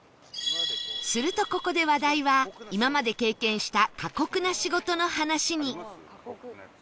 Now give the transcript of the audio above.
するとここで話題は今まで経験した過酷な仕事の話に